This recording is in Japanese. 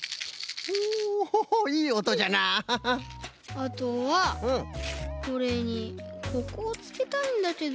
あとはこれにここをつけたいんだけど。